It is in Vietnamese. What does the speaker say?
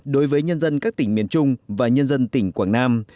đối với nhân dân các tỉnh miền trung và nhân dân tỉnh quảng nam